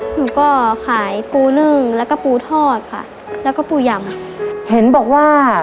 หนูก็ขายปูนึ่งแล้วก็ปูทอดค่ะแล้วก็ปูยำค่ะเห็นบอกว่า